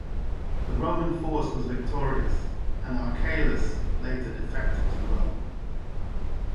The Roman force was victorious, and Archelaus later defected to Rome.